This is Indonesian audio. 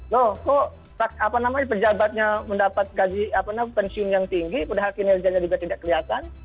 loh kok pejabatnya mendapat pensiun yang tinggi padahal kinerjanya juga tidak kelihatan